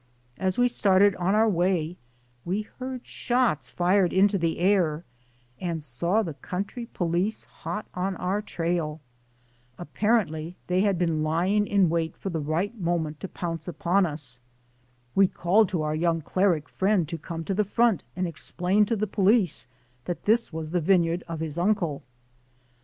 As we started on our way we heard shots fired into the air and saw the country police hot on our trail. Apparently they had been lying in wait for the right moment to pounce upon us. We called to our young cleric friend to come to the front and explain to the police that this was the vineyard of his uncle.